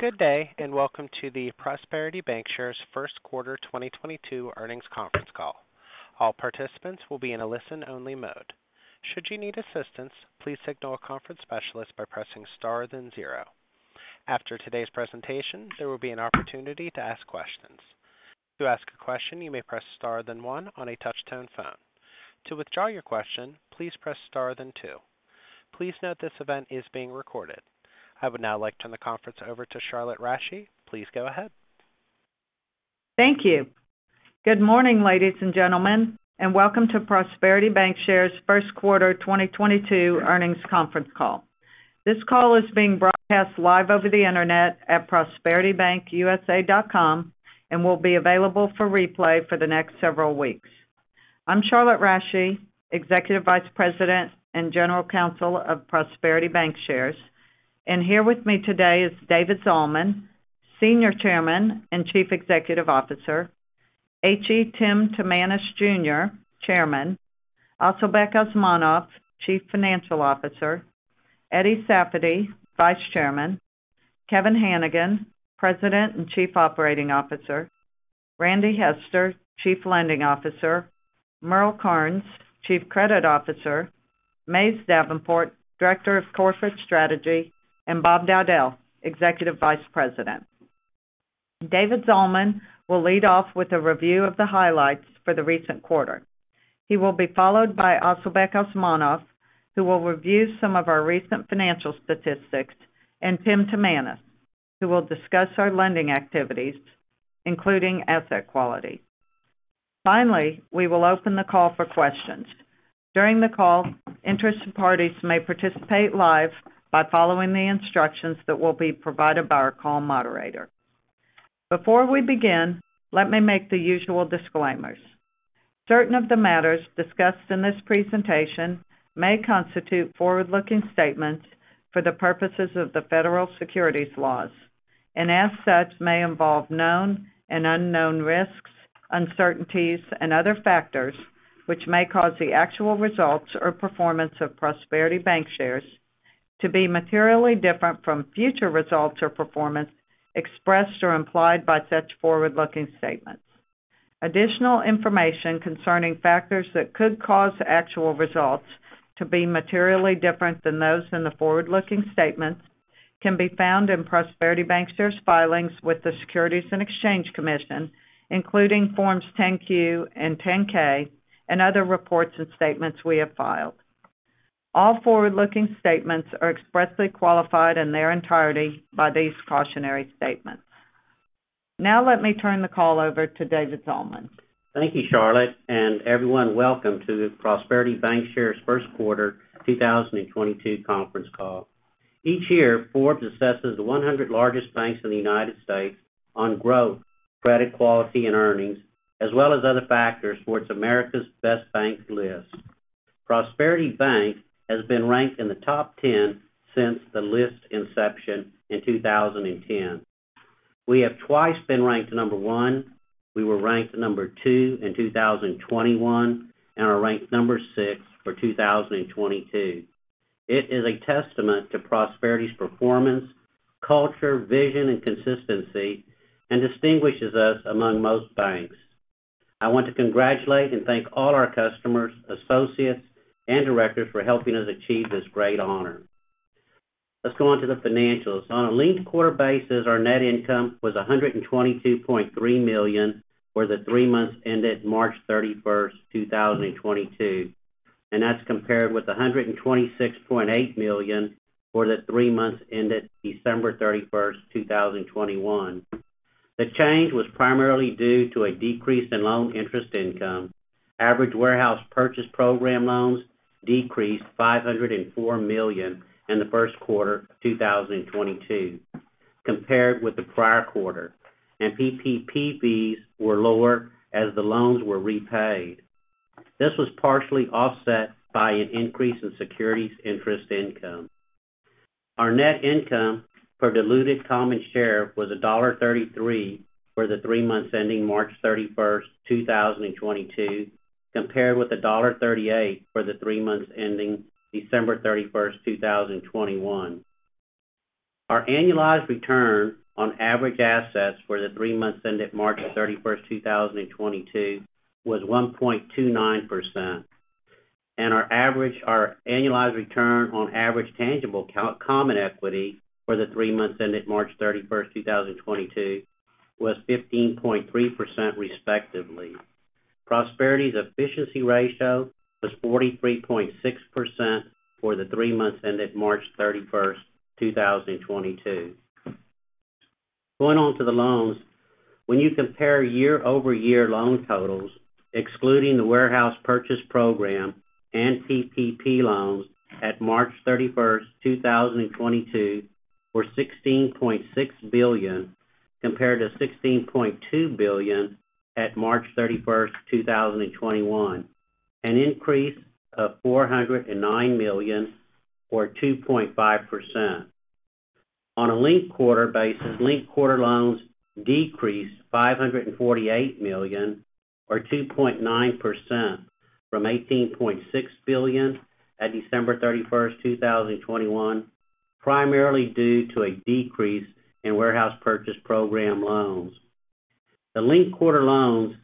Good day, and welcome to the Prosperity Bancshares' first quarter 2022 earnings conference call. All participants will be in a listen-only mode. Should you need assistance, please signal a conference specialist by pressing star then zero. After today's presentation, there will be an opportunity to ask questions. To ask a question, you may press star then one on a touch-tone phone. To withdraw your question, please press star then two. Please note this event is being recorded. I would now like to turn the conference over to Charlotte Rasche. Please go ahead. Thank you. Good morning, ladies and gentlemen, and welcome to Prosperity Bancshares' first quarter 2022 earnings conference call. This call is being broadcast live over the internet at prosperitybankusa.com and will be available for replay for the next several weeks. I'm Charlotte Rasche, executive vice president and general counsel of Prosperity Bancshares. Here with me today is David Zalman, senior chairman and chief executive officer, H.E. Tim Timanus, Jr., chairman, Asylbek Osmonov, chief financial officer, Eddie Safady, vice chairman, Kevin Hanigan, president and chief operating officer, Randy Hester, chief lending officer, Merle Karnes, chief credit officer, Mays Davenport, director of corporate strategy, and Bob Dowdell, executive vice president. David Zalman will lead off with a review of the highlights for the recent quarter. He will be followed by Asylbek Osmonov, who will review some of our recent financial statistics, and Tim Timanus, who will discuss our lending activities, including asset quality. Finally, we will open the call for questions. During the call, interested parties may participate live by following the instructions that will be provided by our call moderator. Before we begin, let me make the usual disclaimers. Certain of the matters discussed in this presentation may constitute forward-looking statements for the purposes of the federal securities laws and as such may involve known and unknown risks, uncertainties and other factors which may cause the actual results or performance of Prosperity Bancshares to be materially different from future results or performance expressed or implied by such forward-looking statements. Additional information concerning factors that could cause actual results to be materially different than those in the forward-looking statements can be found in Prosperity Bancshares' filings with the Securities and Exchange Commission, including Forms 10-Q and 10-K and other reports and statements we have filed. All forward-looking statements are expressly qualified in their entirety by these cautionary statements. Now let me turn the call over to David Zalman. Thank you, Charlotte, and welcome everyone to Prosperity Bancshares' first quarter 2022 conference call. Each year, Forbes assesses the 100 largest banks in the United States on growth, credit quality and earnings, as well as other factors for its America's Best Banks list. Prosperity Bank has been ranked in the top 10 since the list inception in 2010. We have twice been ranked number one. We were ranked number two in 2021 and are ranked number six for 2022. It is a testament to Prosperity's performance, culture, vision and consistency and distinguishes us among most banks. I want to congratulate and thank all our customers, associates and directors for helping us achieve this great honor. Let's go on to the financials. On a linked quarter basis, our net income was $122.3 million for the three months ended March 31, 2022, and that's compared with $126.8 million for the three months ended December 31, 2021. The change was primarilydue to a decrease in loan interest income. Average warehouse purchase program loans decreased $504 million in the first quarter of 2022 compared with the prior quarter, and PPP fees were lower as the loans were repaid. This was partially offset by an increase in securities interest income. Our net income per diluted common share was $1.33 for the three months ending March 31, 2022, compared with $1.38 for the three months ending December 31, 2021. Our annualized return on average assets for the three months ended March 31, 2022 was 1.29%, and our annualized return on average tangible common equity for the three months ended March 31, 2022 was 15.3%, respectively. Prosperity's efficiency ratio was 43.6% for the three months ended March 31, 2022. Going on to the loans. When you compare year-over-year loan totals, excluding the warehouse purchase program and PPP loans at March 31, 2022 were $16.6 billion compared to $16.2 billion at March 31, 2021, an increase of $409 million or 2.5%. On a linked quarter basis, linked quarter loans decreased $548 million or 2.9%. From $18.6 billion at December 31, 2021, primarily due to a decrease in warehouse purchase program loans. The linked quarter loans,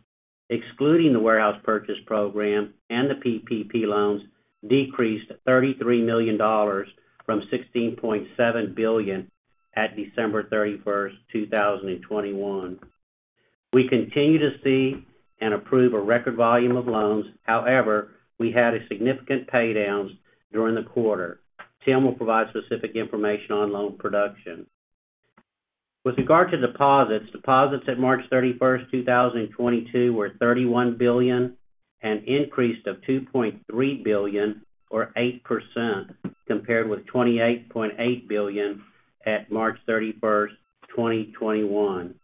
excluding the warehouse purchase program and the PPP loans, decreased $33 million from $16.7 billion at December 31, 2021. We continue to see and approve a record volume of loans. However, we had a significant paydowns during the quarter. Tim will provide specific information on loan production. With regard to deposits at March 31, 2022 were $31 billion, an increase of $2.3 billion or 8% compared with $28.8 billion at March 31, 2021.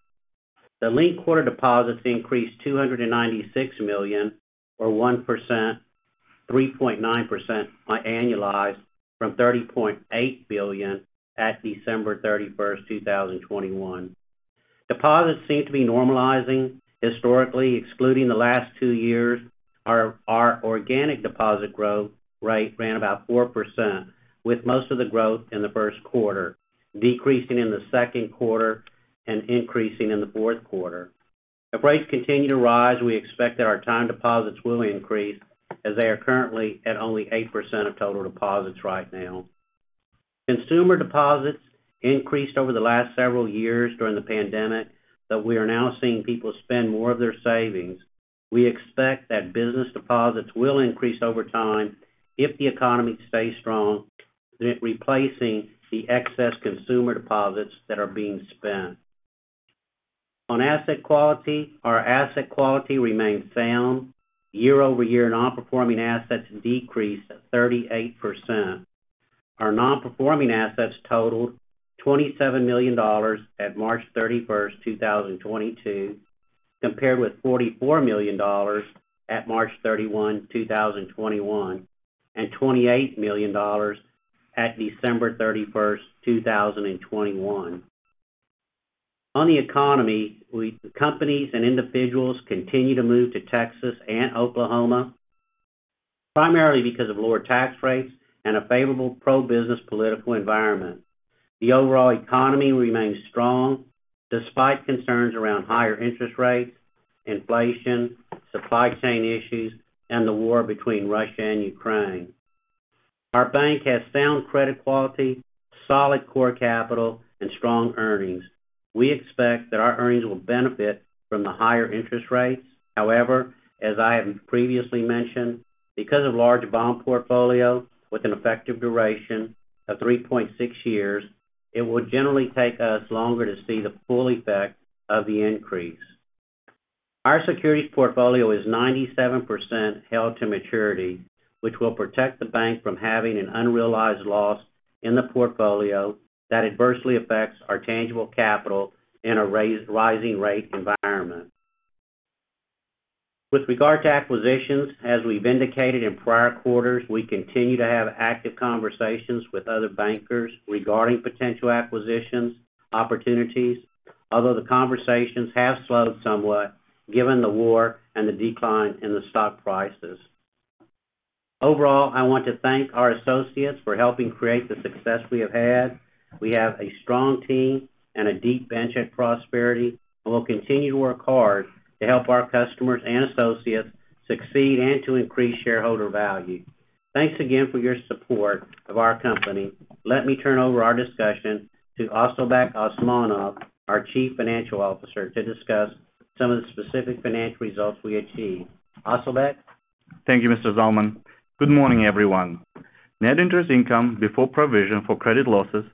The linked-quarter deposits increased $296 million or 1%, 3.9% annualized from $30.8 billion at December 31, 2021. Deposits seem to be normalizing historically excluding the last two years, our organic deposit growth rate ran about 4% with most of the growth in the first quarter, decreasing in the second quarter and increasing in the fourth quarter. If rates continue to rise, we expect that our time deposits will increase as they are currently at only 8% of total deposits right now. Consumer deposits increased over the last several years during the pandemic, but we are now seeing people spend more of their savings. We expect that business deposits will increase over time if the economy stays strong, replacing the excess consumer deposits that are being spent. On asset quality, our asset quality remains sound. Year-over-year non-performing assets decreased 38%. Our non-performing assets totaled $27 million at March 31, 2022, compared with $44 million at March 31, 2021, and $28 million at December 31, 2021. On the economy, companies and individuals continue to move to Texas and Oklahoma, primarily because of lower tax rates and a favorable pro-business political environment. The overall economy remains strong despite concerns around higher interest rates, inflation, supply chain issues, and the war between Russia and Ukraine. Our bank has sound credit quality, solid core capital, and strong earnings. We expect that our earnings will benefit from the higher interest rates. However, as I have previously mentioned, because of large bond portfolio with an effective duration of 3.6 years, it would generally take us longer to see the full effect of the increase. Our securities portfolio is 97% held to maturity, which will protect the bank from having an unrealized loss in the portfolio that adversely affects our tangible capital in a rising rate environment. With regard to acquisitions, as we've indicated in prior quarters, we continue to have active conversations with other bankers regarding potential acquisitions opportunities. Although the conversations have slowed somewhat given the war and the decline in the stock prices. Overall, I want to thank our associates for helping create the success we have had. We have a strong team and a deep bench at Prosperity, and we'll continue to work hard to help our customers and associates succeed and to increase shareholder value. Thanks again for your support of our company. Let me turn over our discussion to Asylbek Osmonov, our Chief Financial Officer, to discuss some of the specific financial results we achieved. Asylbek. Thank you, Mr. Zalman. Good morning, everyone. Net interest income before provision for credit losses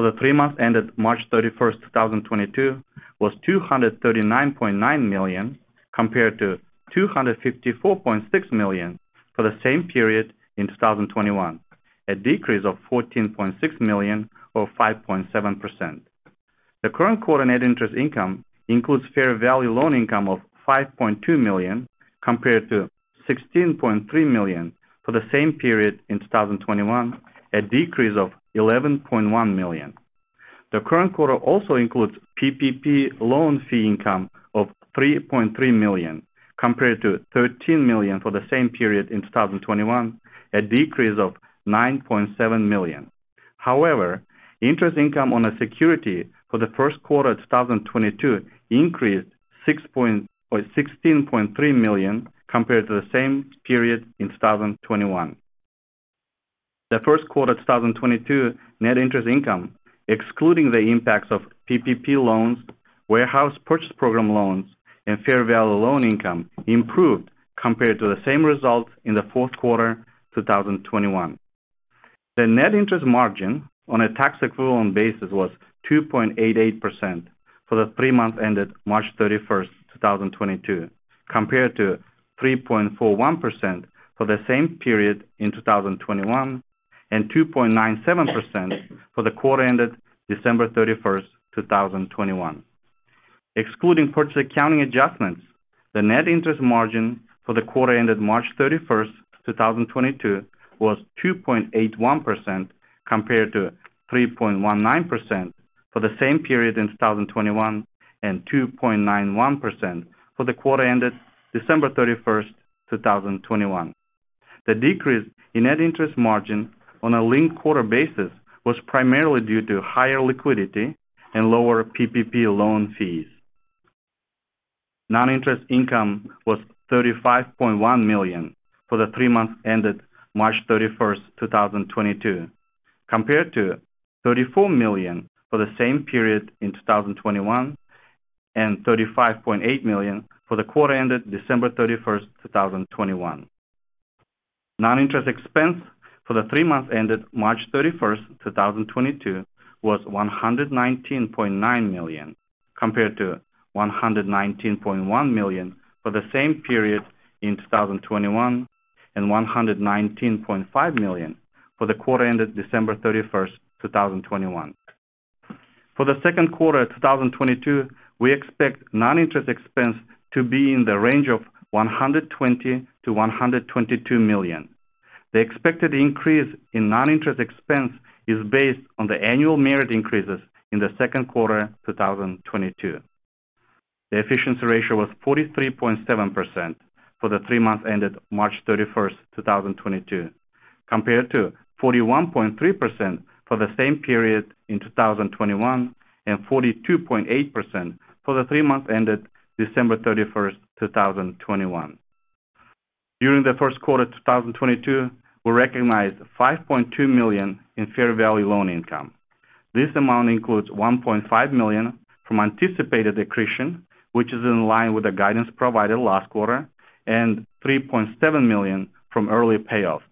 for the three months ended March 31st, 2022 was $239.9 million, compared to $254.6 million for the same period in 2021. A decrease of $14.6 million or 5.7%. The current quarter net interest income includes fair value loan income of $5.2 million compared to $16.3 million for the same period in 2021, a decrease of $11.1 million. The current quarter also includes PPP loan fee income of $3.3 million, compared to $13 million for the same period in 2021, a decrease of $9.7 million. However, interest income on securities for the first quarter of 2022 increased $16.3 million compared to the same period in 2021. The first quarter of 2022 net interest income, excluding the impacts of PPP loans, warehouse purchase program loans, and fair value loan income improved compared to the same result in the fourth quarter, 2021. The net interest margin on a tax-equivalent basis was 2.88% for the three months ended March 31, 2022, compared to 3.41% for the same period in 2021, and 2.97% for the quarter ended December 31, 2021. Excluding purchase accounting adjustments, the net interest margin for the quarter ended March 31, 2022 was 2.81% compared to 3.19% for the same period in 2021 and 2.91% for the quarter ended December 31, 2021. The decrease in net interest margin on a linked quarter basis was primarily due to higher liquidity and lower PPP loan fees. Non-interest income was $35.1 million for the three months ended March 31, 2022, compared to $34 million for the same period in 2021, and $35.8 million for the quarter ended December 31, 2021. Non-interest expense for the three months ended March 31, 2022 was $119.9 million, compared to $119.1 million for the same period in 2021, and $119.5 million for the quarter ended December 31, 2021. For the second quarter of 2022, we expect non-interest expense to be in the range of $120 million-$122 million. The expected increase in non-interest expense is based on the annual merit increases in the second quarter of 2022. The efficiency ratio was 43.7% for the three months ended March 31, 2022, compared to 41.3% for the same period in 2021, and 42.8% for the three months ended December 31, 2021. During the first quarter of 2022, we recognized $5.2 million in fair value loan income. This amount includes $1.5 million from anticipated accretion, which is in line with the guidance provided last quarter, and $3.7 million from early payoff.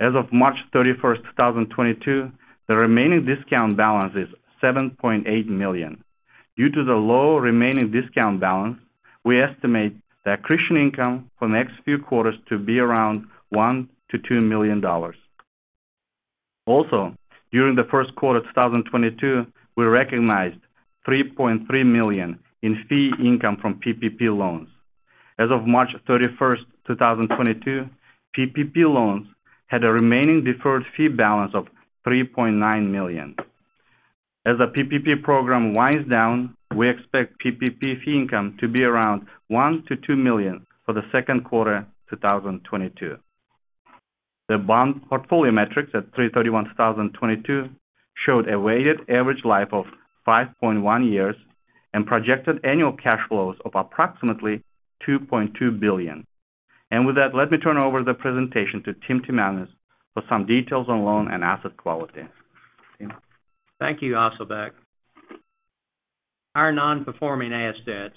As of March 31, 2022, the remaining discount balance is $7.8 million. Due to the low remaining discount balance, we estimate the accretion income for the next few quarters to be around $1 million-$2 million. Also, during the first quarter of 2022, we recognized $3.3 million in fee income from PPP loans. As of March 31, 2022, PPP loans had a remaining deferred fee balance of $3.9 million. As the PPP program winds down, we expect PPP fee income to be around $1 million-$2 million for the second quarter of 2022. The bond portfolio metrics at 3/31/2022 showed a weighted average life of 5.1 years and projected annual cash flows of approximately $2.2 billion. With that, let me turn over the presentation to Tim Timanus, Jr. for some details on loan and asset quality. Tim? Thank you, Asylbek. Our non-performing assets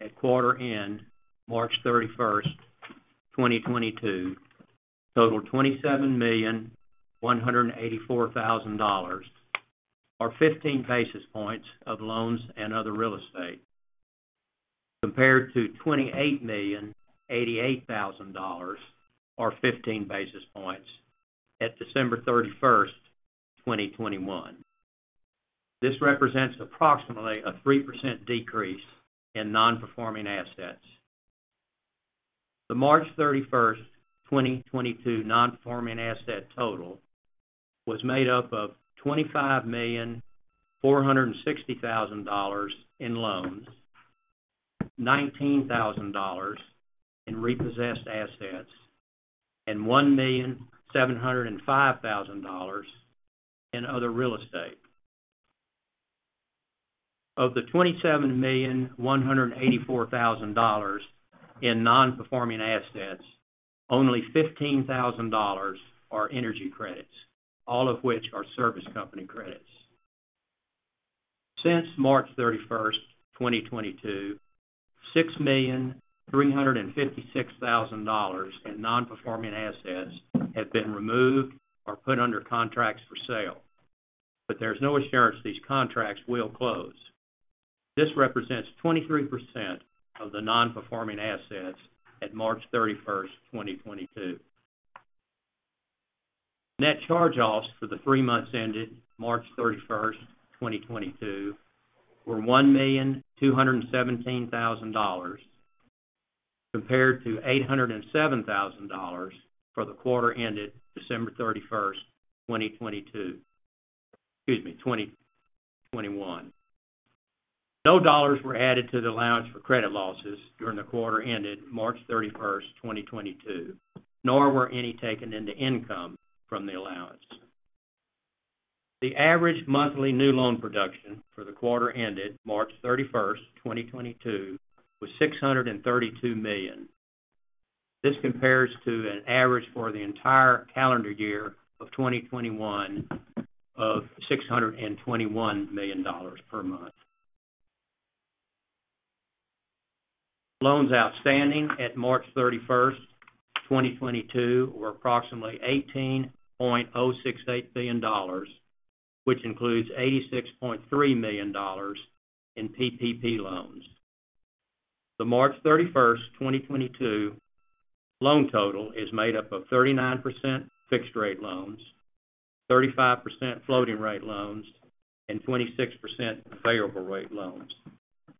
at quarter end, March 31, 2022, total $27,184,000, or 15 basis points of loans and other real estate, compared to $28,088,000 or 15 basis points at December 31, 2021. This represents approximately a 3% decrease in non-performing assets. The March 31, 2022 non-performing asset total was made up of $25,460,000 in loans, $19,000 in repossessed assets, and $1,705,000 in other real estate. Of the $27,184,000 in non-performing assets, only $15,000 are energy credits, all of which are service company credits. Since March 31, 2022, $6.356 million in non-performing assets have been removed or put under contracts for sale, but there's no assurance these contracts will close. This represents 23% of the non-performing assets at March 31, 2022. Net charge-offs for the three months ended March 31, 2022 were $1.217 million compared to $807,000 for the quarter ended December 31, 2021. Excuse me, twenty twenty-one. No dollars were added to the allowance for credit losses during the quarter ended March 31, 2022, nor were any taken into income from the allowance. The average monthly new loan production for the quarter ended March 31, 2022 was $632 million. This compares to an average for the entire calendar year of 2021 of $621 million per month. Loans outstanding at March 31, 2022 were approximately $18.068 billion, which includes $86.3 million in PPP loans. The March 31, 2022 loan total is made up of 39% fixed rate loans, 35% floating rate loans, and 26% variable rate loans.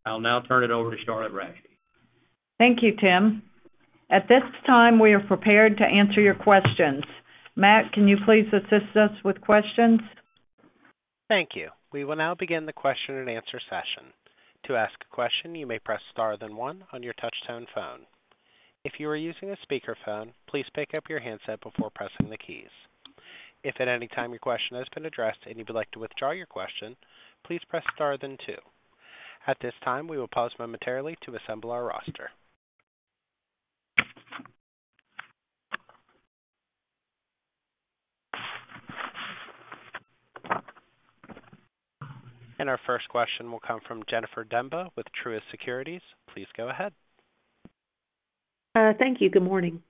I'll now turn it over to Charlotte Rasche. Thank you, Tim. At this time, we are prepared to answer your questions. Matt, can you please assist us with questions? Thank you. We will now begin the question-and-answer session. To ask a question, you may press star then one on your touchtone phone. If you are using a speakerphone, please pick up your handset before pressing the keys. If at any time your question has been addressed and you would like to withdraw your question, please press star then two. At this time, we will pause momentarily to assemble our roster. Our first question will come from Jennifer Demba with Truist Securities. Please go ahead. Thank you. Good morning.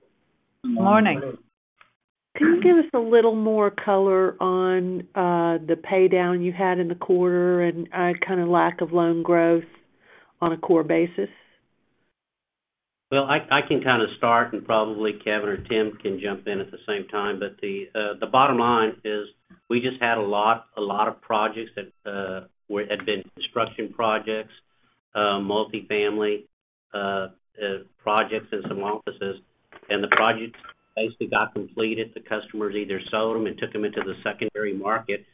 Good morning. Can you give us a little more color on the paydown you had in the quarter and kind of lack of loan growth on a core basis? Well, I can kind of start, and probably Kevin or Tim can jump in at the same time. The bottom line is we just had a lot of projects that had been construction projects, multifamily projects and some offices. The projects basically got completed. The customers either sold them and took them into the secondary market,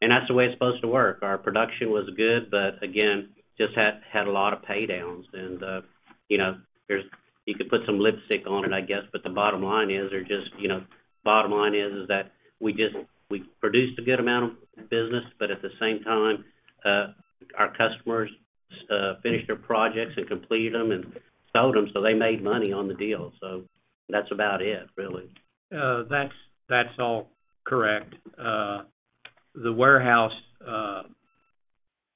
and that's the way it's supposed to work. Our production was good, but again, just had a lot of paydowns. You know, there's you could put some lipstick on it, I guess, but the bottom line is they're just, you know, bottom line is that we produced a good amount of business, but at the same time, our customers finished their projects and completed them and sold them, so they made money on the deal. That's about it, really. That's all correct. The warehouse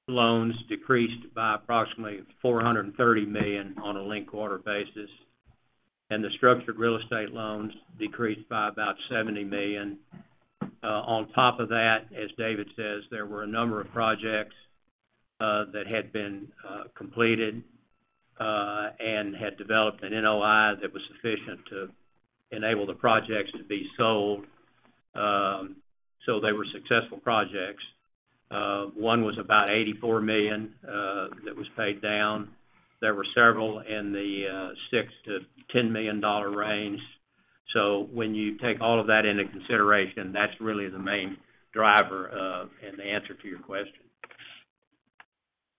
loans decreased by approximately $430 million on a linked quarter basis, and the structured commercial real estate loans decreased by about $70 million. On top of that, as David says, there were a number of projects that had been completed and had developed an NOI that was sufficient to enable the projects to be sold, so they were successful projects. One was about $84 million that was paid down. There were several in the $6 million-$10 million range. When you take all of that into consideration, that's really the main driver and the answer to your question.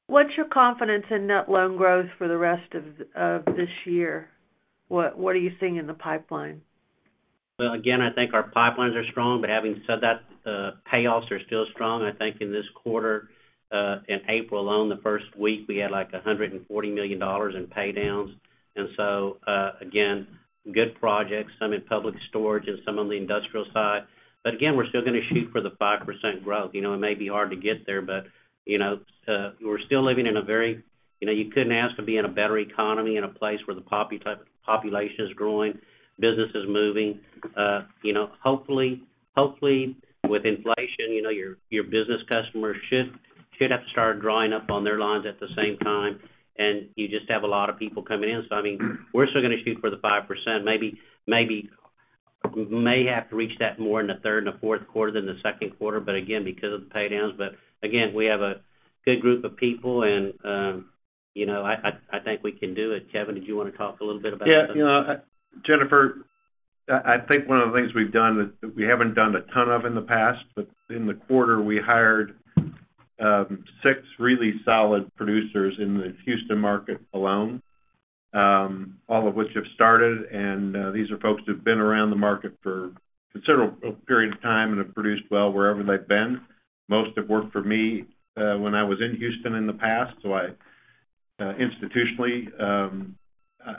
What's your confidence in net loan growth for the rest of this year? What are you seeing in the pipeline? Well, again, I think our pipelines are strong, but having said that, payoffs are still strong. I think in this quarter, in April alone, the first week we had, like, $140 million in pay downs. Again, good projects, some in public storage and some on the industrial side. But again, we're still gonna shoot for the 5% growth. You know, it may be hard to get there, but, you know, we're still living in a very. You know, you couldn't ask to be in a better economy, in a place where the population is growing, business is moving. You know, hopefully with inflation, you know, your business customers should have started drawing down on their lines at the same time, and you just have a lot of people coming in. I mean, we're still gonna shoot for the 5%. Maybe may have to reach that more in the third and the fourth quarter than the second quarter, but again, because of the pay downs. Again, we have a good group of people and, you know, I think we can do it. Kevin, did you wanna talk a little bit about that? Yeah, you know, Jennifer, I think one of the things we've done that we haven't done a ton of in the past, but in the quarter, we hired six really solid producers in the Houston market alone, all of which have started. These are folks who've been around the market for a considerable period of time and have produced well wherever they've been. Most have worked for me when I was in Houston in the past, so institutionally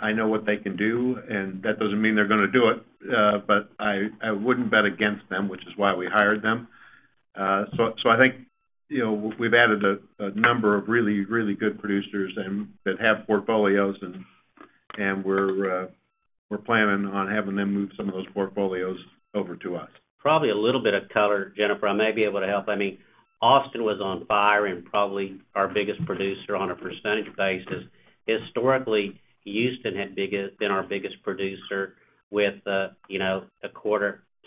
I know what they can do, and that doesn't mean they're gonna do it, but I wouldn't bet against them, which is why we hired them. I think, you know, we've added a number of really good producers and that have portfolios and we're planning on having them move some of those portfolios over to us. Probably a little bit of color, Jennifer, I may be able to help. I mean, Austin was on fire and probably our biggest producer on a percentage basis. Historically, Houston had been our biggest producer with 25+%,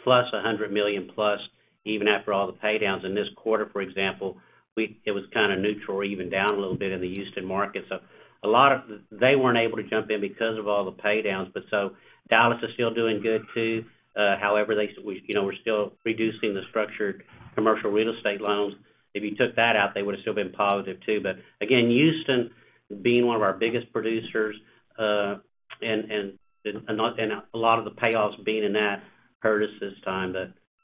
$+100 million, even after all the pay downs. In this quarter, for example, it was kind of neutral or even down a little bit in the Houston market. They weren't able to jump in because of all the pay downs. Dallas is still doing good too. However, we're still reducing the structured commercial real estate loans. If you took that out, they would have still been positive too. Again, Houston being one of our biggest producers, and a lot of the payoffs being in that hurt us this time.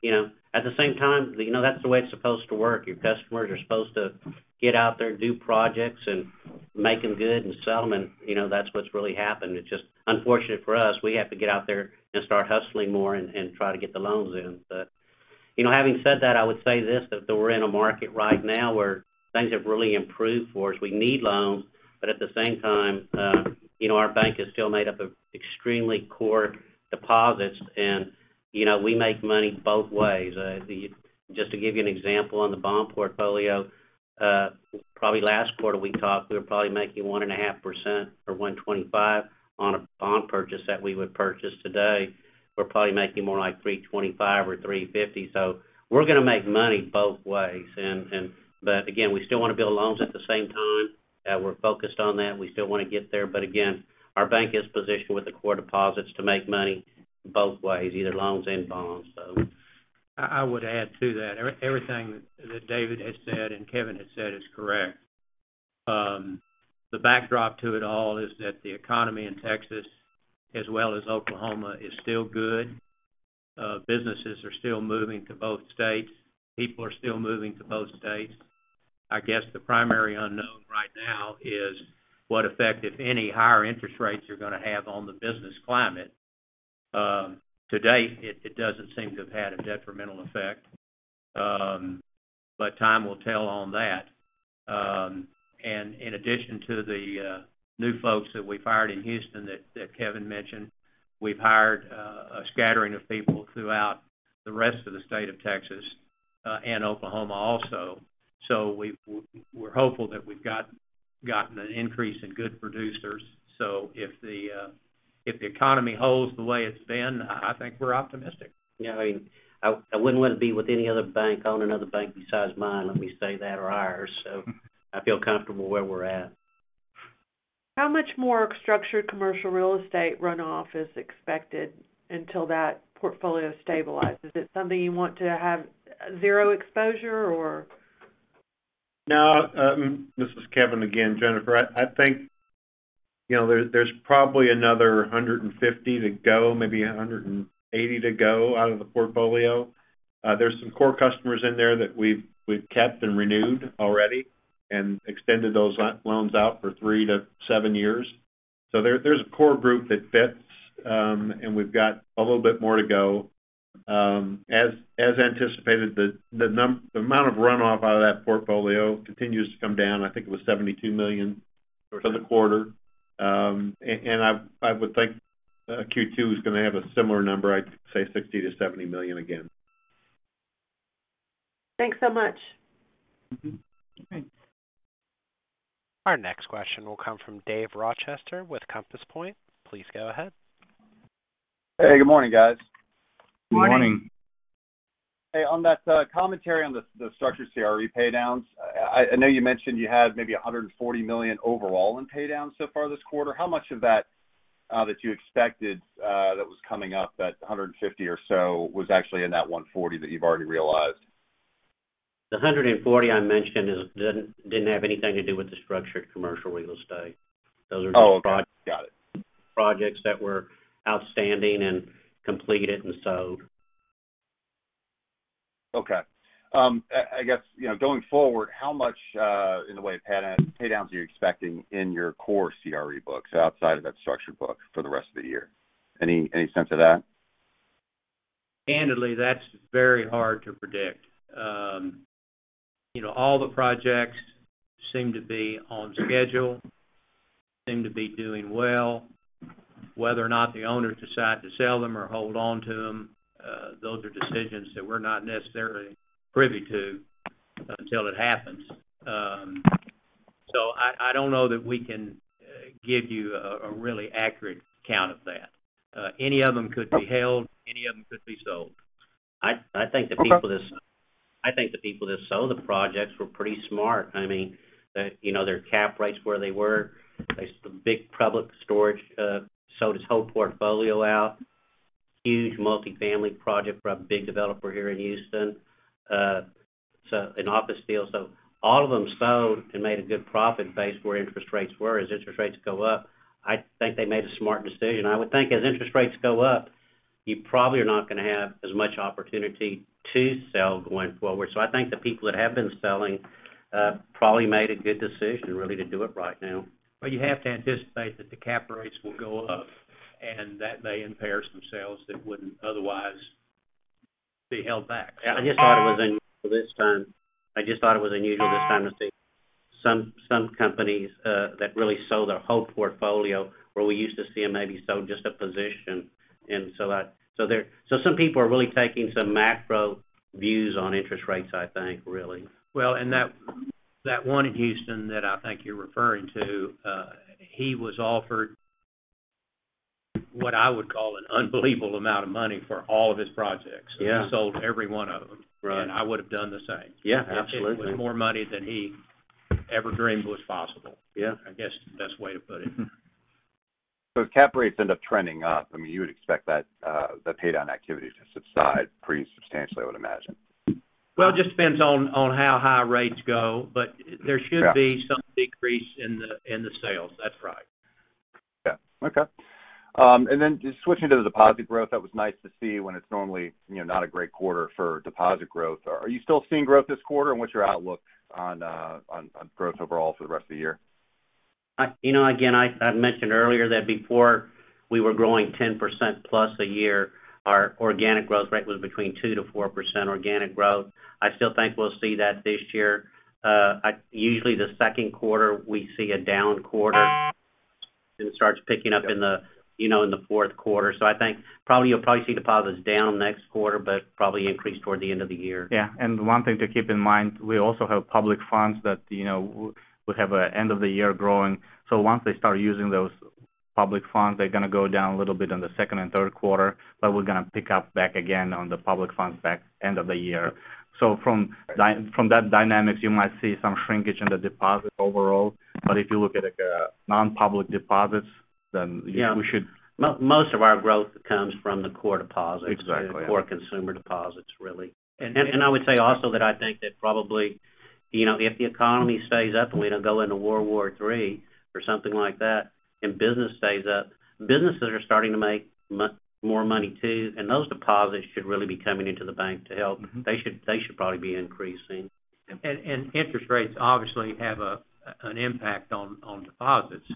You know, at the same time, you know, that's the way it's supposed to work. Your customers are supposed to get out there, do projects and make them good and sell them. You know, that's what's really happened. It's just unfortunate for us. We have to get out there and start hustling more and try to get the loans in. You know, having said that, I would say this, that we're in a market right now where things have really improved for us. We need loans, but at the same time, you know, our bank is still made up of extremely core deposits. You know, we make money both ways. Just to give you an example, on the bond portfolio, probably last quarter we talked, we were probably making 1.5% or 1.25% on a bond purchase that we would purchase today. We're probably making more like 3.25% or 3.50%. So we're gonna make money both ways. But again, we still wanna build loans at the same time. We're focused on that. We still wanna get there. But again, our bank is positioned with the core deposits to make money both ways, either loans and bonds. I would add to that. Everything that David has said and Kevin has said is correct. The backdrop to it all is that the economy in Texas, as well as Oklahoma, is still good. Businesses are still moving to both states. People are still moving to both states. I guess the primary unknown right now is what effect, if any, higher interest rates are gonna have on the business climate. To date, it doesn't seem to have had a detrimental effect, but time will tell on that. In addition to the new folks that we've hired in Houston that Kevin mentioned, we've hired a scattering of people throughout the rest of the state of Texas, and Oklahoma also. We're hopeful that we've gotten an increase in good producers. If the economy holds the way it's been, I think we're optimistic. Yeah, I mean, I wouldn't want to be with any other bank, own another bank besides mine, let me say that, or ours. I feel comfortable where we're at. How much more structured commercial real estate runoff is expected until that portfolio stabilizes? Is it something you want to have zero exposure or? No. This is Kevin again, Jennifer. I think, you know, there's probably another 150 to go, maybe 180 to go out of the portfolio. There's some core customers in there that we've kept and renewed already and extended those loans out for three to seven years. There's a core group that fits, and we've got a little bit more to go. As anticipated, the amount of runoff out of that portfolio continues to come down. I think it was $72 million for the quarter. I would think Q2 is gonna have a similar number, I'd say $60 million-$70 million again. Thanks so much. Thanks. Our next question will come from Dave Rochester with Compass Point. Please go ahead. Hey, good morning, guys. Good morning. Good morning. Hey, on that commentary on the structured CRE pay downs, I know you mentioned you had maybe $140 million overall in pay downs so far this quarter. How much of that you expected was coming up, that $150 or so was actually in that $140 that you've already realized? The $140 I mentioned didn't have anything to do with the structured commercial real estate. Those are just- Oh, got it. Projects that were outstanding and completed and sold. Okay. I guess, you know, going forward, how much in the way of paydowns are you expecting in your core CRE books outside of that structured book for the rest of the year? Any sense of that? Candidly, that's very hard to predict. You know, all the projects seem to be on schedule, seem to be doing well. Whether or not the owners decide to sell them or hold on to them, those are decisions that we're not necessarily privy to until it happens. So I don't know that we can give you a really accurate count of that. Any of them could be held, any of them could be sold. Okay. I think the people that sold the projects were pretty smart. I mean, you know, their cap rates where they were. A big Public Storage sold his whole portfolio out. Huge multifamily project from a big developer here in Houston, so an office deal. All of them sold and made a good profit based where interest rates were. As interest rates go up, I think they made a smart decision. I would think as interest rates go up, you probably are not gonna have as much opportunity to sell going forward. I think the people that have been selling, probably made a good decision really to do it right now. You have to anticipate that the cap rates will go up, and that may embarrass some sales that wouldn't otherwise be held back. I just thought it was unusual this time. I just thought it was unusual this time to see some companies that really sold their whole portfolio where we used to see them maybe sell just a position. Some people are really taking some macro views on interest rates, I think, really. Well, that one in Houston that I think you're referring to, he was offered what I would call an unbelievable amount of money for all of his projects. Yeah. He sold every one of them. Right. I would have done the same. Yeah, absolutely. It was more money than he ever dreamed was possible. Yeah. I guess, best way to put it. If cap rates end up trending up, I mean, you would expect that the paydown activity to subside pretty substantially, I would imagine. Well, it just depends on how high rates go. There should be. Yeah Some decrease in the sales. That's right. Just switching to the deposit growth, that was nice to see when it's normally, you know, not a great quarter for deposit growth. Are you still seeing growth this quarter? What's your outlook on growth overall for the rest of the year? You know, again, I mentioned earlier that before we were growing 10% plus a year, our organic growth rate was between 2%-4% organic growth. I still think we'll see that this year. Usually the second quarter, we see a down quarter, and it starts picking up in the, you know, in the fourth quarter. I think probably, you'll probably see deposits down next quarter, but probably increase toward the end of the year. Yeah. One thing to keep in mind, we also have public funds that, you know, we have an end-of-year growth. Once they start using those public funds, they're gonna go down a little bit in the second and third quarter, but we're gonna pick up back again on the public funds back end of the year. From that dynamics, you might see some shrinkage in the deposits overall. If you look at non-public deposits, then, you know, we should- Yeah. Most of our growth comes from the core deposits. Exactly. The core consumer deposits, really. I would say also that I think that probably, you know, if the economy stays up and we don't go into World War III or something like that, and business stays up, businesses are starting to make more money, too, and those deposits should really be coming into the bank to help. They should probably be increasing. Interest rates obviously have an impact on deposits.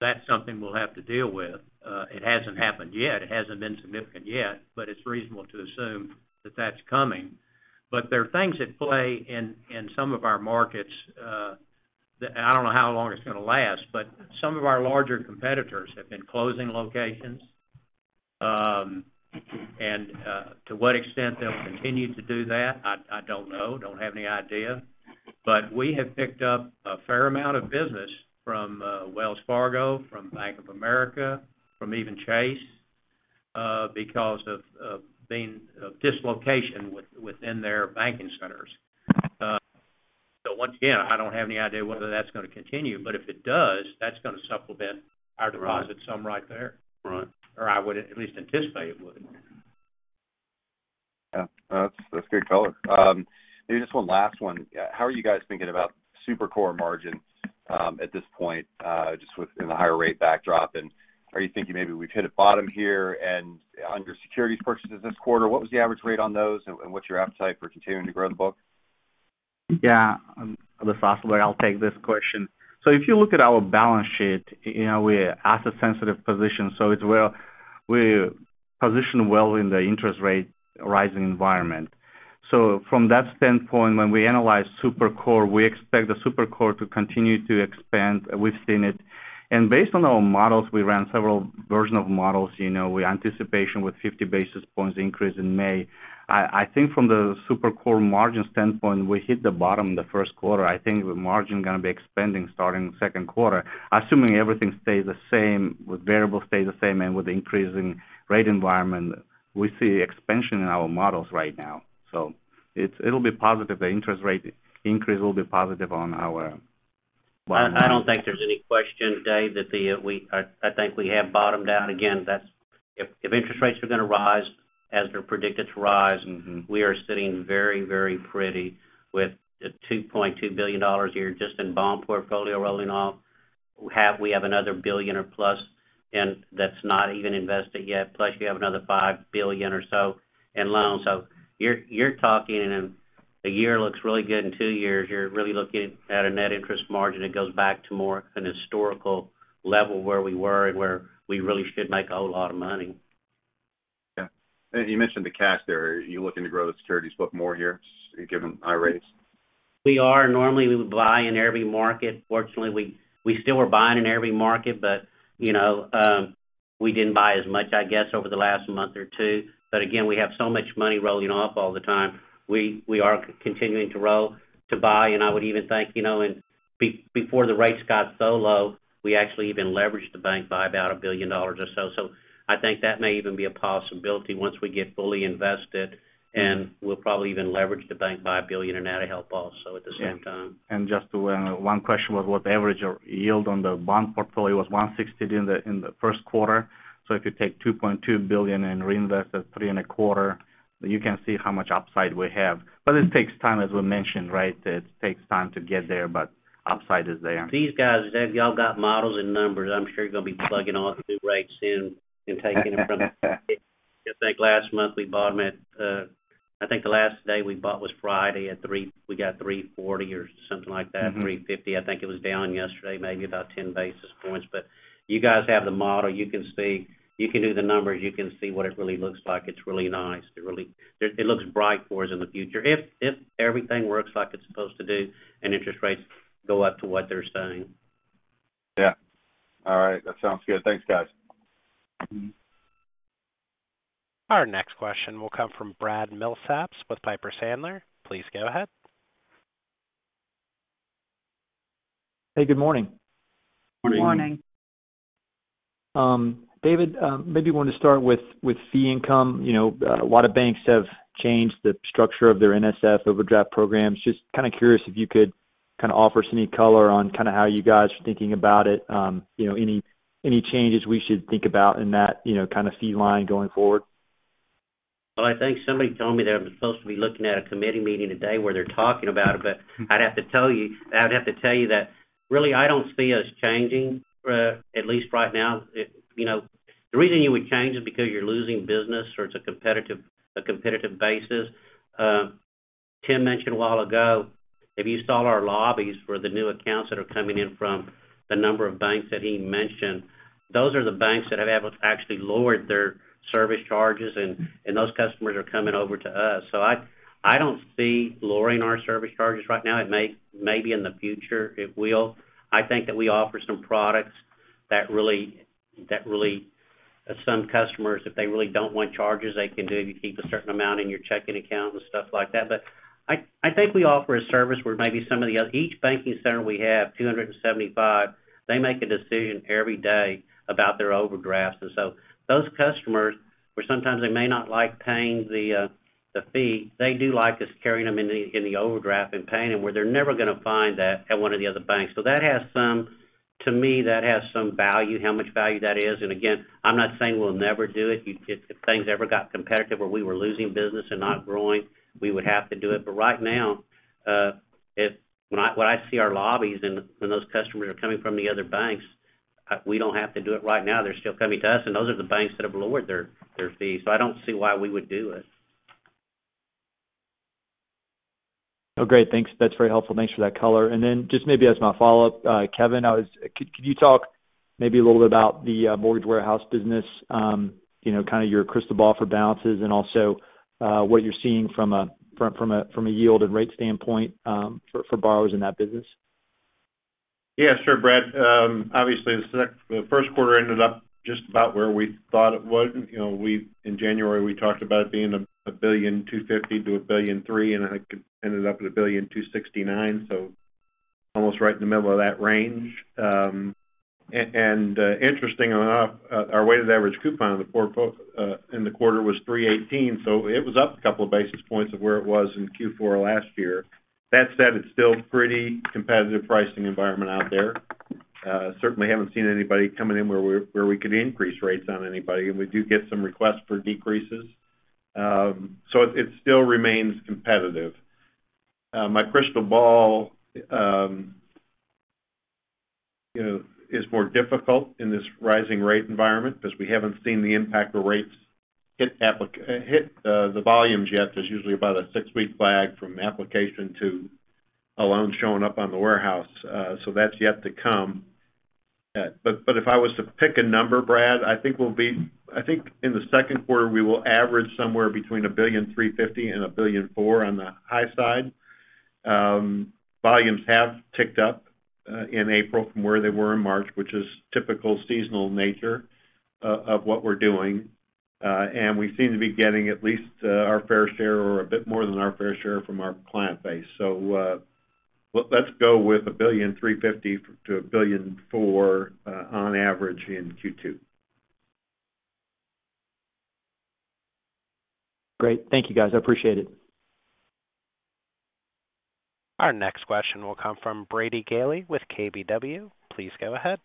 That's something we'll have to deal with. It hasn't happened yet. It hasn't been significant yet, but it's reasonable to assume that that's coming. There are things at play in some of our markets, and I don't know how long it's gonna last, but some of our larger competitors have been closing locations. To what extent they'll continue to do that, I don't know, don't have any idea. We have picked up a fair amount of business from Wells Fargo, from Bank of America, from even Chase, because of dislocation within their banking centers. Once again, I don't have any idea whether that's gonna continue, but if it does, that's gonna supplement our deposits some right there. Right. I would at least anticipate it would. Yeah. No, that's great color. Maybe just one last one. How are you guys thinking about super core margins at this point just with you know the higher rate backdrop? And are you thinking maybe we've hit a bottom here? And on your securities purchases this quarter, what was the average rate on those, and what's your appetite for continuing to grow the book? Yeah. This last one, I'll take this question. If you look at our balance sheet, you know, we're asset sensitive position, we're positioned well in the interest rate rising environment. From that standpoint, when we analyze super core, we expect the super core to continue to expand. We've seen it. Based on our models, we ran several versions of models, you know, we anticipate with 50 basis points increase in May. I think from the super core margin standpoint, we hit the bottom the first quarter. I think the margin gonna be expanding starting the second quarter. Assuming everything stays the same, with variables stay the same and with the increasing rate environment, we see expansion in our models right now. It'll be positive. The interest rate increase will be positive on our bottom line. I don't think there's any question, Dave, that I think we have bottomed out. Again, if interest rates are gonna rise as they're predicted to rise. We are sitting very, very pretty with $2.2 billion a year just in bond portfolio rolling off. We have another $1 billion or plus, and that's not even invested yet. Plus, you have another $5 billion or so in loans. You're talking, a year looks really good. In two years, you're really looking at a net interest margin that goes back to more an historical level where we were and where we really should make a whole lot of money. Yeah. You mentioned the cash there. Are you looking to grow the securities book more here given high rates? We are. Normally, we would buy in every market. Fortunately, we still were buying in every market, but, you know, we didn't buy as much, I guess, over the last month or two. Again, we have so much money rolling off all the time. We are continuing to buy, and I would even think, you know, and before the rates got so low, we actually even leveraged the bank by about $1 billion or so. I think that may even be a possibility once we get fully invested, and we'll probably even leverage the bank by $1 billion and that'll help also at the same time. One question was what the average yield on the bond portfolio was 1.60% in the first quarter. If you take $2.2 billion and reinvest at 3.25%, you can see how much upside we have. This takes time, as we mentioned, right? It takes time to get there, but upside is there. These guys, they've all got models and numbers. I'm sure you're gonna be plugging all the new rates in and taking it. I think last month we bought them at, I think the last day we bought was Friday at 3.40% or something like that. 3.50%. I think it was down yesterday, maybe about 10 basis points. You guys have the model. You can do the numbers. You can see what it really looks like. It's really nice. It looks bright for us in the future if everything works like it's supposed to do and interest rates go up to what they're saying. Yeah. All right. That sounds good. Thanks, guys. Mm-hmm. Our next question will come from Brad Milsaps with Piper Sandler. Please go ahead. Hey, good morning. Good morning. Good morning. David, maybe want to start with fee income. You know, a lot of banks have changed the structure of their NSF overdraft programs. Just kind of curious if you could kind of offer us any color on kind of how you guys are thinking about it. You know, any changes we should think about in that, you know, kind of fee line going forward? Well, I think somebody told me that I'm supposed to be looking at a committee meeting today where they're talking about it. I'd have to tell you that really, I don't see us changing at least right now. You know, the reason you would change is because you're losing business or it's a competitive basis. Tim mentioned a while ago, if you saw our lobbies for the new accounts that are coming in from the number of banks that he mentioned, those are the banks that have actually lowered their service charges, and those customers are coming over to us. I don't see lowering our service charges right now. Maybe in the future it will. I think that we offer some products that really. Some customers, if they really don't want charges, you keep a certain amount in your checking account and stuff like that. I think we offer a service where maybe some of the other, each banking center we have, 275, they make a decision every day about their overdrafts. Those customers, where sometimes they may not like paying the fee, they do like us carrying them in the overdraft and paying them, where they're never gonna find that at one of the other banks. That has some value to me, that has some value, how much value that is. Again, I'm not saying we'll never do it. If things ever got competitive where we were losing business and not growing, we would have to do it. But right now, when I see our lobbies and when those customers are coming from the other banks, we don't have to do it right now. They're still coming to us, and those are the banks that have lowered their fees. I don't see why we would do it. Oh, great. Thanks. That's very helpful. Thanks for that color. Then just maybe as my follow-up, Kevin, could you talk maybe a little bit about the mortgage warehouse business, you know, kind of your crystal ball for balances and also what you're seeing from a yield and rate standpoint, for borrowers in that business? Yeah, sure, Brad. Obviously, the first quarter ended up just about where we thought it would. You know, in January, we talked about it being $1.25 billion-$1.3 billion, and I think it ended up at $1.269 billion, so almost right in the middle of that range. Interesting enough, our weighted average coupon in the quarter was 3.18, so it was up a couple of basis points from where it was in Q4 last year. That said, it's still a pretty competitive pricing environment out there. Certainly haven't seen anybody coming in where we could increase rates on anybody, and we do get some requests for decreases. So it still remains competitive. My crystal ball, you know, is more difficult in this rising rate environment because we haven't seen the impact where rates hit the volumes yet. There's usually about a six-week lag from application to a loan showing up on the warehouse, so that's yet to come. But if I was to pick a number, Brad, I think in the second quarter, we will average somewhere between $1.35 billion and $1.4 billion on the high side. Volumes have ticked up in April from where they were in March, which is typical seasonal nature of what we're doing. We seem to be getting at least our fair share or a bit more than our fair share from our client base. Let's go with $1.35 billion-$1.4 billion on average in Q2. Great. Thank you, guys. I appreciate it. Our next question will come from Brady Gailey with KBW. Please go ahead.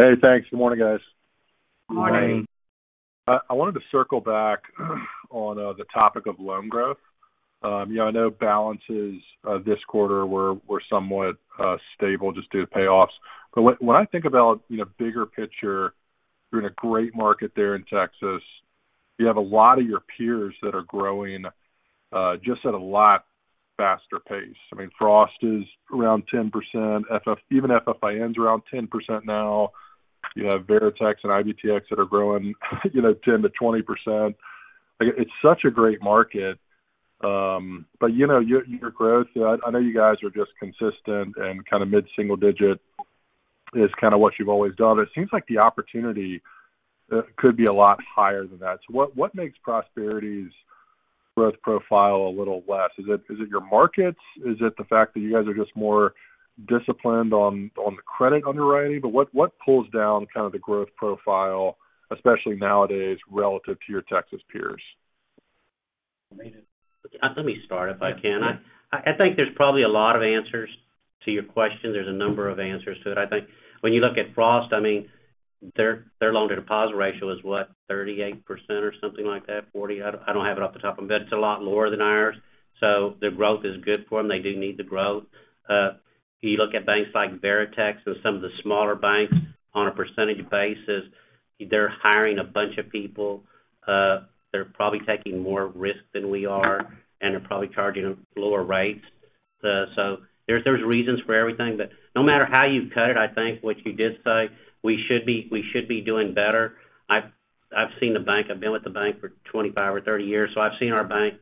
Hey, thanks. Good morning, guys. Good morning. Morning. I wanted to circle back on the topic of loan growth. You know, I know balances this quarter were somewhat stable just due to payoffs. When I think about, you know, bigger picture, you're in a great market there in Texas. You have a lot of your peers that are growing just at a lot faster pace. I mean, Frost is around 10%. Even FFIN's around 10% now. You have Veritex and IBTX that are growing, you know, 10%-20%. It's such a great market. You know, your growth, I know you guys are just consistent and kind of mid-single digit is kind of what you've always done, but it seems like the opportunity could be a lot higher than that. What makes Prosperity's growth profile a little less? Is it your markets? Is it the fact that you guys are just more disciplined on the credit underwriting? What pulls down kind of the growth profile, especially nowadays, relative to your Texas peers? Let me start, if I can. I think there's probably a lot of answers to your question. There's a number of answers to it. I think when you look at Frost, I mean, their loan-to-deposit ratio is what, 38% or something like that, 40%? I don't have it off the top of my head. It's a lot lower than ours, so their growth is good for them. They do need the growth. You look at banks like Veritex and some of the smaller banks on a percentage basis, they're hiring a bunch of people, they're probably taking more risk than we are and are probably charging them lower rates. So there's reasons for everything. No matter how you cut it, I think what you did say, we should be doing better. I've seen the bank. I've been with the bank for 25 or 30 years, so I've seen our bank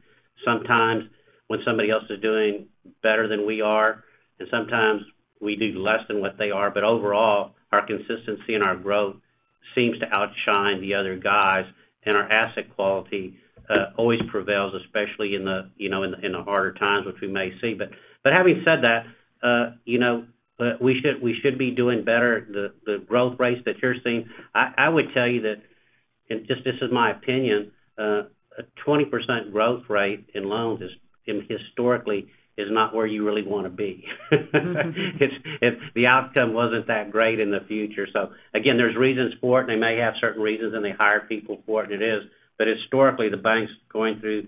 sometimes when somebody else is doing better than we are, and sometimes we do less than what they are. Overall, our consistency and our growth seems to outshine the other guys, and our asset quality always prevails, especially in the harder times, which we may see. Having said that, we should be doing better. The growth rates that you're seeing, I would tell you that, and just this is my opinion, a 20% growth rate in loans is, historically is not where you really wanna be. It's. The outcome wasn't that great in the future. Again, there are reasons for it, and they may have certain reasons, and they hire people for it, and it is. Historically, the banks going through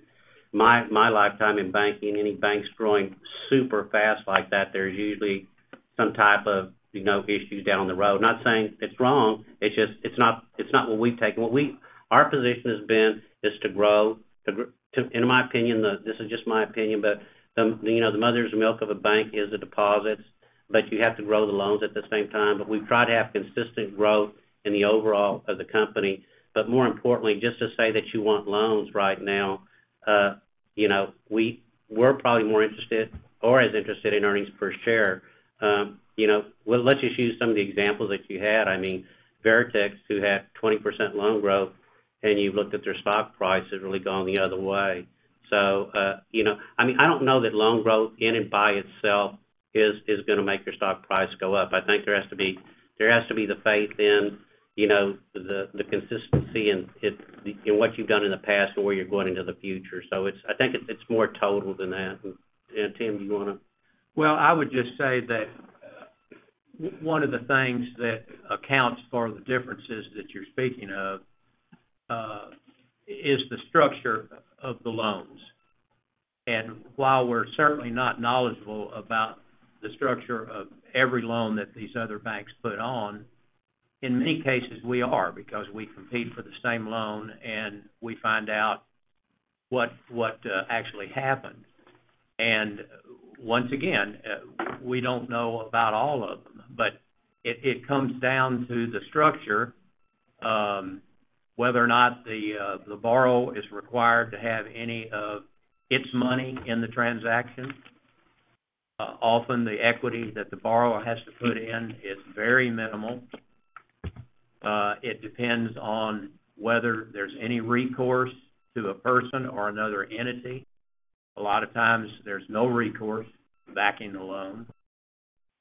my lifetime in banking, any banks growing super fast like that, there's usually some type of, you know, issues down the road. Not saying it's wrong, it's just it's not what we've taken. Our position has been to grow. In my opinion, this is just my opinion, but the, you know, the mother's milk of a bank is the deposits, but you have to grow the loans at the same time. We try to have consistent growth in the overall of the company. More importantly, just to say that you want loans right now, you know, we're probably more interested or as interested in earnings per share. You know, well, let's just use some of the examples that you had. I mean, Veritex, who had 20% loan growth, and you looked at their stock price, has really gone the other way. You know, I mean, I don't know that loan growth in and by itself is gonna make your stock price go up. I think there has to be the faith in, you know, the consistency in what you've done in the past and where you're going into the future. I think it's more total than that. Tim, you wanna? Well, I would just say that one of the things that accounts for the differences that you're speaking of, is the structure of the loans. While we're certainly not knowledgeable about the structure of every loan that these other banks put on, in many cases, we are, because we compete for the same loan, and we find out what actually happened. Once again, we don't know about all of them, but it comes down to the structure, whether or not the borrower is required to have any of its money in the transaction. Often the equity that the borrower has to put in is very minimal. It depends on whether there's any recourse to a person or another entity. A lot of times there's no recourse backing the loan.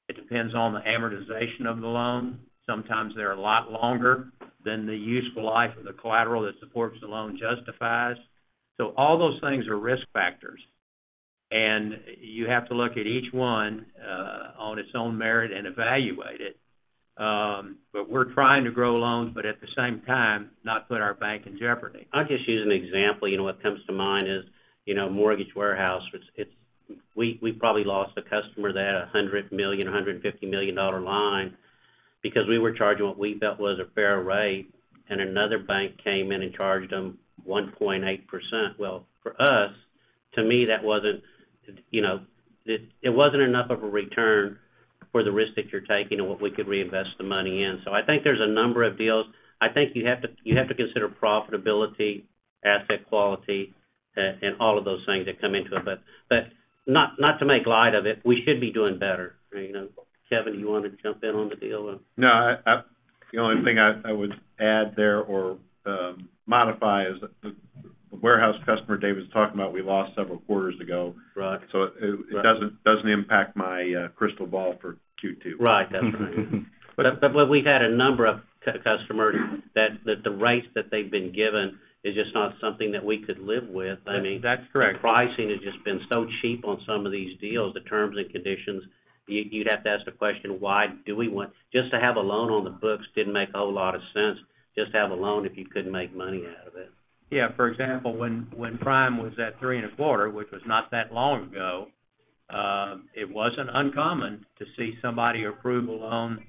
It depends on the amortization of the loan. Sometimes they're a lot longer than the useful life of the collateral that supports the loan justifies. All those things are risk factors, and you have to look at each one, on its own merit and evaluate it. We're trying to grow loans, but at the same time, not put our bank in jeopardy. I'll just use an example. You know, what comes to mind is, you know, Mortgage Warehouse, which we probably lost a customer that had a $100 million-$150 million line because we were charging what we felt was a fair rate, and another bank came in and charged them 1.8%. For us, to me, that wasn't, you know, it wasn't enough of a return for the risk that you're taking and what we could reinvest the money in. I think there's a number of deals. I think you have to consider profitability, asset quality, and all of those things that come into it. Not to make light of it, we should be doing better. You know, Kevin, you wanna jump in on the deal? No, the only thing I would add there or modify is the warehouse customer Dave was talking about we lost several quarters ago. Right. It doesn't impact my crystal ball for Q2. Right. That's right. We've had a number of customers that the rates that they've been given is just not something that we could live with. I mean. That's correct. The pricing has just been so cheap on some of these deals, the terms and conditions. You'd have to ask the question, why do we want? Just to have a loan on the books didn't make a whole lot of sense. Just have a loan if you couldn't make money out of it. Yeah. For example, when Prime was at 3.25, which was not that long ago, it wasn't uncommon to see somebody approve a loan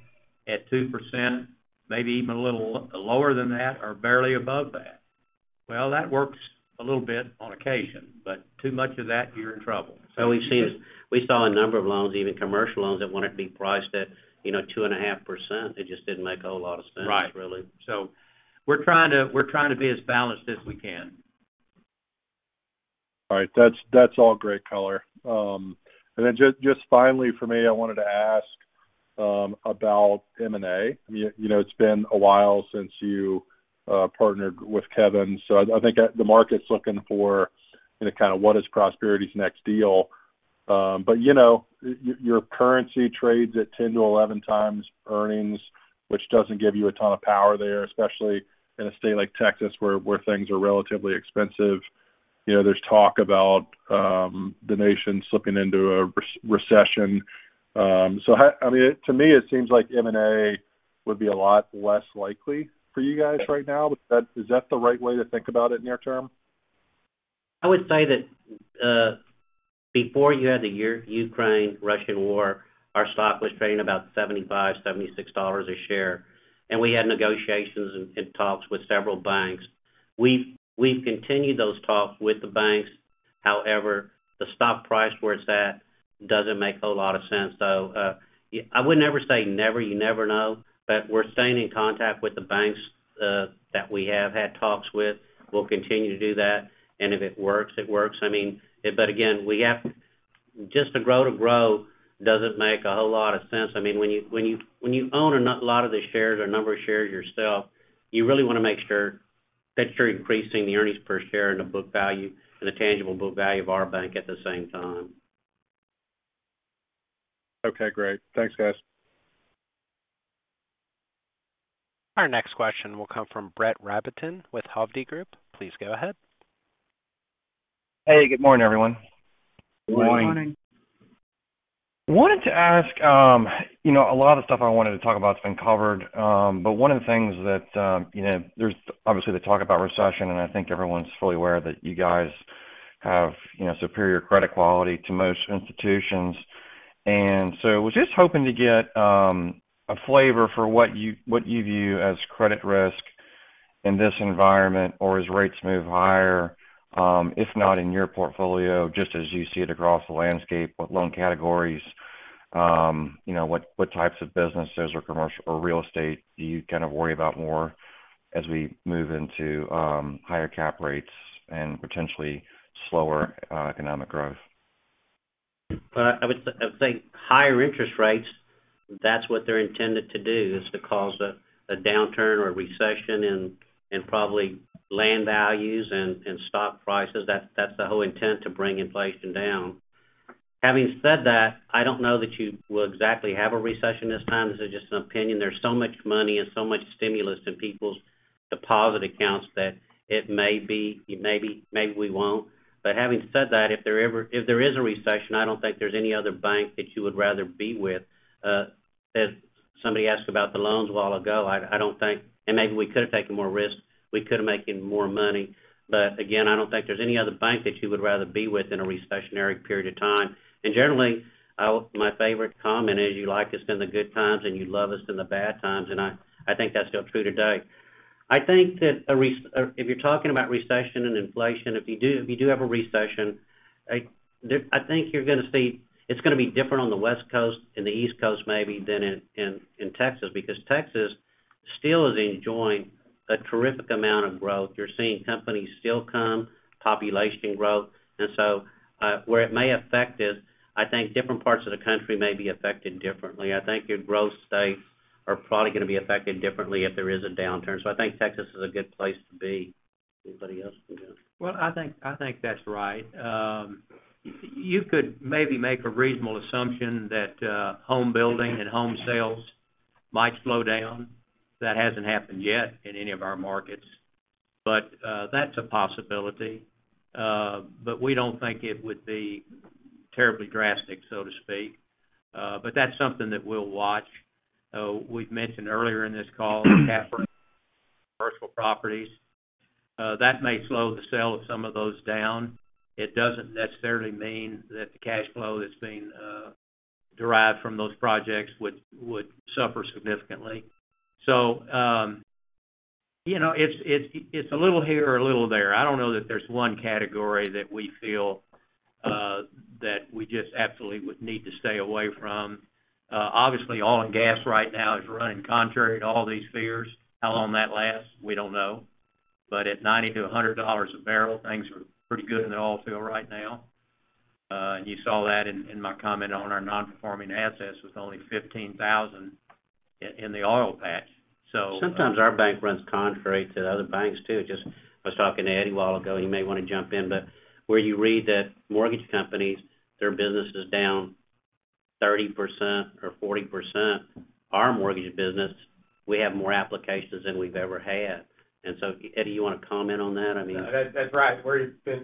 at 2%, maybe even a little lower than that or barely above that. Well, that works a little bit on occasion, but too much of that, you're in trouble. We saw a number of loans, even commercial loans, that wouldn't be priced at, you know, 2.5%. It just didn't make a whole lot of sense, really. Right. We're trying to be as balanced as we can. All right. That's all great color. Just finally for me, I wanted to ask about M&A. You know, it's been a while since you partnered with Kevin, so I think the market's looking for, you know, kind of what is Prosperity's next deal. You know, your currency trades at 10x-11x earnings, which doesn't give you a ton of power there, especially in a state like Texas, where things are relatively expensive. You know, there's talk about the nation slipping into a recession. I mean, to me, it seems like M&A would be a lot less likely for you guys right now. Is that the right way to think about it near term? I would say that before you had the Ukraine-Russia war, our stock was trading about $75-$76 a share, and we had negotiations and talks with several banks. We've continued those talks with the banks. However, the stock price where it's at doesn't make a whole lot of sense. I would never say never, you never know, but we're staying in contact with the banks that we have had talks with. We'll continue to do that, and if it works, it works. I mean, but again, we have just to grow doesn't make a whole lot of sense. I mean, when you own a lot of the shares or a number of shares yourself, you really wanna make sure that you're increasing the earnings per share and the book value and the tangible book value of our bank at the same time. Okay, great. Thanks, guys. Our next question will come from Brett Rabatin with Hovde Group. Please go ahead. Hey, good morning, everyone. Good morning. Good morning. Wanted to ask, you know, a lot of the stuff I wanted to talk about has been covered. But one of the things that, you know, there's obviously the talk about recession, and I think everyone's fully aware that you guys have, you know, superior credit quality to most institutions. Just hoping to get a flavor for what you view as credit risk in this environment, or as rates move higher, if not in your portfolio, just as you see it across the landscape. You know, what types of businesses or commercial or real estate do you kind of worry about more as we move into higher cap rates and potentially slower economic growth? Well, I would think higher interest rates, that's what they're intended to do, is to cause a downturn or a recession in probably land values and stock prices. That's the whole intent to bring inflation down. Having said that, I don't know that you will exactly have a recession this time. This is just an opinion. There's so much money and so much stimulus in people's deposit accounts that it may be maybe we won't. But having said that, if there is a recession, I don't think there's any other bank that you would rather be with. As somebody asked about the loans a while ago, I don't think. Maybe we could have taken more risks, we could have made more money. Again, I don't think there's any other bank that you would rather be with in a recessionary period of time. Generally, my favorite comment is you like us in the good times and you love us in the bad times, and I think that's still true today. I think. Or if you're talking about recession and inflation, if you do have a recession, I think you're gonna see it's gonna be different on the West Coast and the East Coast maybe than in Texas, because Texas still is enjoying a terrific amount of growth. You're seeing companies still come, population growth. Where it may affect it, I think different parts of the country may be affected differently. I think your growth rates are probably gonna be affected differently if there is a downturn, so I think Texas is a good place to be. Anybody else can go. Well, I think that's right. You could maybe make a reasonable assumption that home building and home sales might slow down. That hasn't happened yet in any of our markets. That's a possibility. We don't think it would be terribly drastic, so to speak. That's something that we'll watch. We've mentioned earlier in this call commercial properties. That may slow the sale of some of those down. It doesn't necessarily mean that the cash flow that's being derived from those projects would suffer significantly. You know, it's a little here or a little there. I don't know that there's one category that we feel that we just absolutely would need to stay away from. Obviously, oil and gas right now is running contrary to all these fears. How long that lasts, we don't know. At $90-$100 a barrel, things are pretty good in the oil field right now. You saw that in my comment on our non-performing assets, with only $15,000 in the oil patch. Sometimes our bank runs contrary to other banks, too. Just was talking to Eddie a while ago, he may wanna jump in, but where you read that mortgage companies, their business is down 30% or 40%, our mortgage business, we have more applications than we've ever had. Eddie, you wanna comment on that? I mean Yeah, that's right.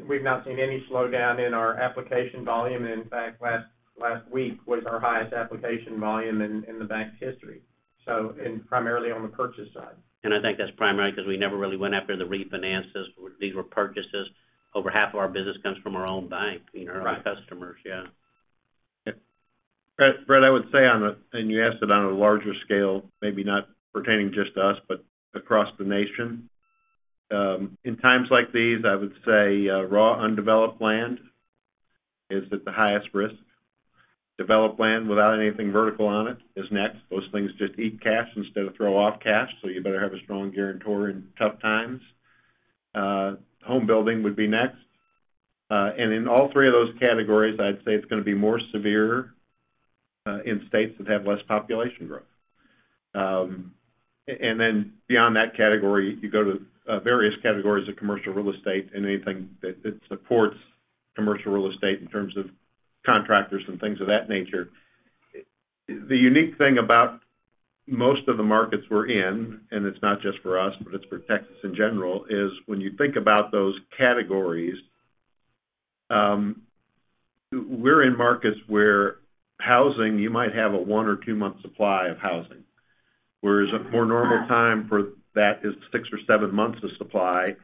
We've not seen any slowdown in our application volume. In fact, last week was our highest application volume in the bank's history, and primarily on the purchase side. I think that's primarily 'cause we never really went after the refinances. These were purchases. Over half of our business comes from our own bank, you know? Right. Our own customers. Yeah. Yep. Brett, I would say, and you asked it on a larger scale, maybe not pertaining just to us, but across the nation. In times like these, I would say raw, undeveloped land is at the highest risk. Developed land without anything vertical on it is next. Those things just eat cash instead of throw off cash, so you better have a strong guarantor in tough times. Home building would be next. In all three of those categories, I'd say it's gonna be more severe in states that have less population growth. Then beyond that category, you go to various categories of commercial real estate and anything that supports commercial real estate in terms of contractors and things of that nature. The unique thing about most of the markets we're in, and it's not just for us, but it's for Texas in general, is when you think about those categories, we're in markets where housing, you might have a one- or two-month supply of housing, whereas a more normal time for that is six or seven months of supply.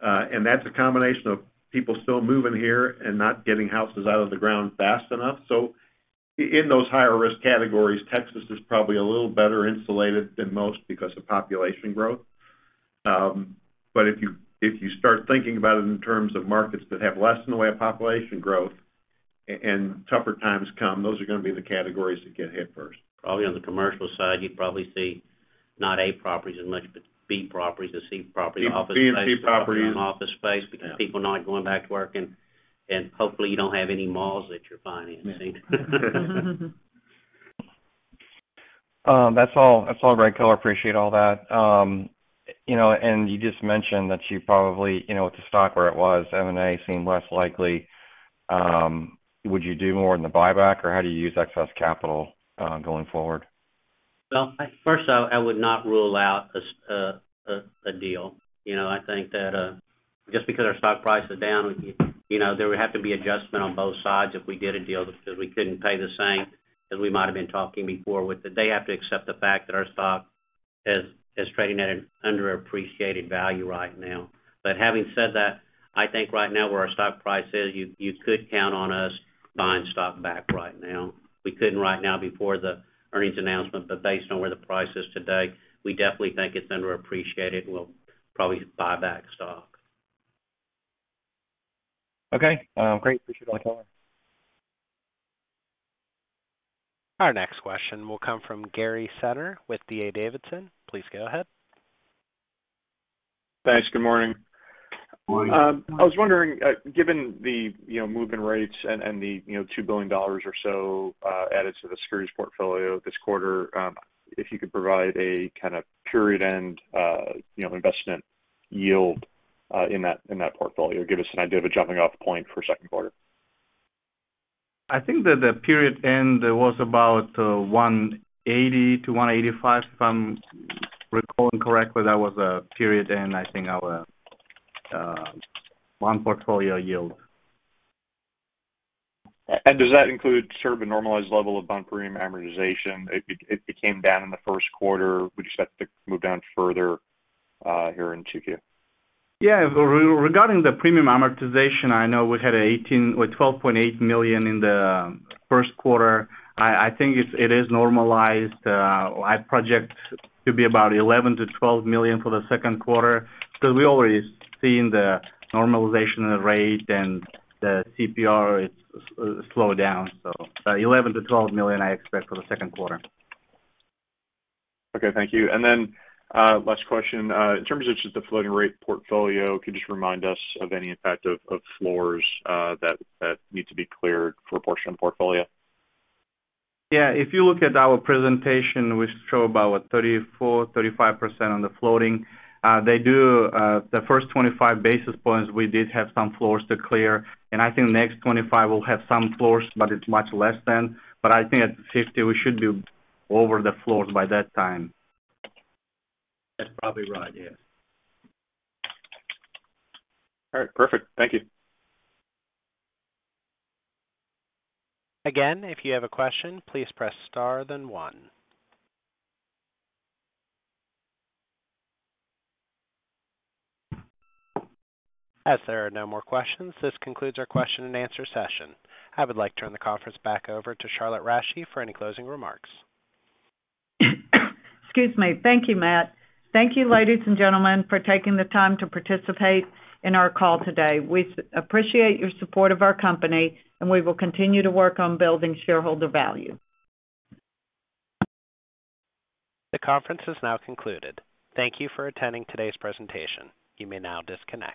That's a combination of people still moving here and not getting houses out of the ground fast enough. In those higher risk categories, Texas is probably a little better insulated than most because of population growth. If you start thinking about it in terms of markets that have less in the way of population growth and tougher times come, those are gonna be the categories that get hit first. Probably on the commercial side, you'd probably see not A properties as much, but B properties or C properties. B and C properties. Vacant office space. Yeah Because people not going back to work. Hopefully, you don't have any malls that you're financing. That's all. Great call. Appreciate all that. You know, you just mentioned that you probably, you know, with the stock where it was, M&A seemed less likely. Would you do more in the buyback, or how do you use excess capital going forward? Well, first, I would not rule out a deal. You know, I think that just because our stock price is down, you know, there would have to be adjustment on both sides if we did a deal just because we couldn't pay the same as we might have been talking before with it. They have to accept the fact that our stock is trading at an underappreciated value right now. Having said that, I think right now where our stock price is, you could count on us buying stock back right now. We couldn't right now before the earnings announcement, but based on where the price is today, we definitely think it's underappreciated, and we'll probably buy back stock. Okay. Great. Appreciate all the time. Our next question will come from Gary Tenner with D.A. Davidson. Please go ahead. Thanks. Good morning. Morning. I was wondering, given the, you know, moving rates and the, you know, $2 billion or so added to the securities portfolio this quarter, if you could provide a kind of period-end, you know, investment yield in that portfolio. Give us an idea of a jumping off point for second quarter. I think that the period end was about 1.80%-1.85%, if I'm recalling correctly. That was period end, I think our loan portfolio yield. Does that include sort of a normalized level of bond premium amortization? It was down in the first quarter. Would you expect to move down further here in 2Q? Yeah. Regarding the premium amortization, I know we had $18 million or $12.8 million in the first quarter. I think it is normalized. I project to be about $11 million-$12 million for the second quarter, because we already seen the normalization rate and the CPR, it's slowed down. $11 million-$12 million I expect for the second quarter. Okay. Thank you. Last question. In terms of just the floating rate portfolio, can you just remind us of any impact of floors that need to be cleared for a portion of the portfolio? Yeah. If you look at our presentation, we show about what? 34%-35% on the floating. The first 25 basis points we did have some floors to clear, and I think next 25 will have some floors, but it's much less than. I think at 50 we should be over the floors by that time. That's probably right. Yes. All right. Perfect. Thank you. Again, if you have a question, please press star then one. As there are no more questions, this concludes our question and answer session. I would like to turn the conference back over to Charlotte Rasche for any closing remarks. Excuse me. Thank you, Matt. Thank you, ladies and gentlemen, for taking the time to participate in our call today. We appreciate your support of our company, and we will continue to work on building shareholder value. The conference is now concluded. Thank you for attending today's presentation. You may now disconnect.